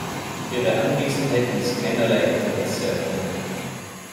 Ihre Anwesenheit ließ keinerlei Interesse erkennen.